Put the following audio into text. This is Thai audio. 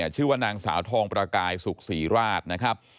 ชื่อว่านางสาวทองประกายสุขศรีราชนะครับ